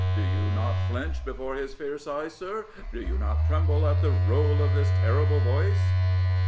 Do you not flinch before this fierce eye, sir? do you not tremble at the roll of this terrible voice?